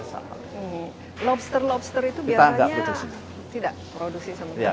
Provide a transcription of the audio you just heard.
lobster lobster itu biasanya tidak produksi sama pak